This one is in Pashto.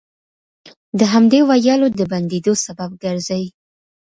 د همدې ويالو د بندېدو سبب ګرځي،